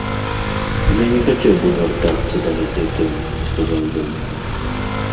Я не хацеў бы вяртацца да гэтай тэмы, сказаў ён.